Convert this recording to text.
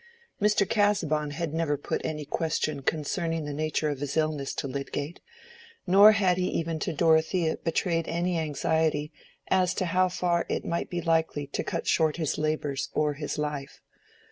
Mr. Casaubon had never put any question concerning the nature of his illness to Lydgate, nor had he even to Dorothea betrayed any anxiety as to how far it might be likely to cut short his labors or his life.